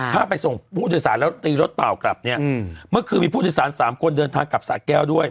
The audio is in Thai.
ถ้าไปส่งปีทธิสารแล้วตีรถป่าวกลับเนี่ยเมื่อคือมีผู้ทฤษฐานสามคนเดินทางกลับสาวแก้วด้วย